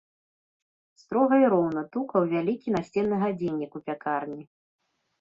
Строга і роўна тукаў вялікі насценны гадзіннік у пякарні.